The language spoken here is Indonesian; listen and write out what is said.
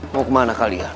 mau kemana kalian